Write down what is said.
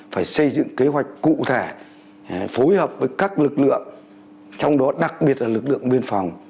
phải xây dựng kế hoạch cụ thể phối hợp với các lực lượng trong đó đặc biệt là lực lượng biên phòng